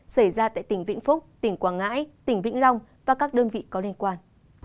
xảy ra tại tỉnh vĩnh phúc tỉnh quảng ngãi tỉnh vĩnh long và các đơn vị có liên quan